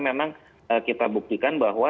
memang kita buktikan bahwa